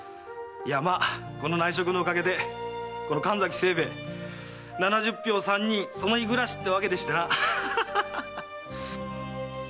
まあこの内職のお陰でこの神崎清兵衛「七十俵三人その日暮らし」ってわけでしてな！